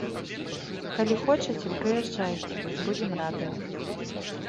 Калі хочаце, прыязджайце, будзем радыя.